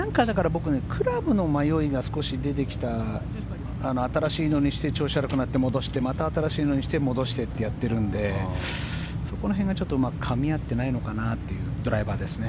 僕ね、クラブの迷いが少し出てきた新しいのにして調子が悪くなって戻してまた新しいのにして戻してってやってるんでそこらへんがうまくかみ合ってないのかなというドライバーですね